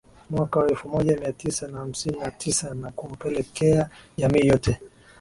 mwaka wa elfu moja Mia Tisa na hamsini na tisa na kupelekea jamii yote